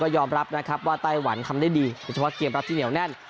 ยอมรับนะครับว่าไต้หวันทำได้ดีโดยเฉพาะเกมรับที่เหนียวแน่น